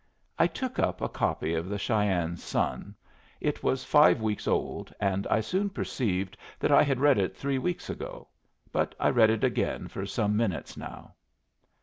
I took up a copy of the Cheyenne Sun. It was five weeks old, and I soon perceived that I had read it three weeks ago; but I read it again for some minutes now.